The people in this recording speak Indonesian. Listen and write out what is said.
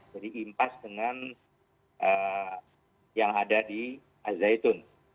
jadi impas dengan yang ada di azaitun